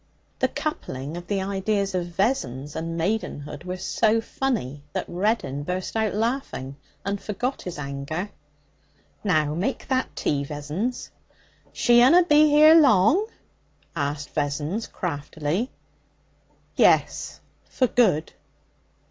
The coupling of the ideas of Vessons and maidenhood was so funny that Reddin burst out laughing and forgot his anger. 'Now, make that tea, Vessons.' 'She unna be here long?' asked Vessons craftily. 'Yes, for good.'